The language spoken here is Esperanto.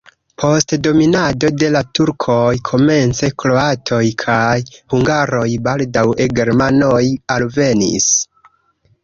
Post dominado de la turkoj komence kroatoj kaj hungaroj, baldaŭe germanoj alvenis.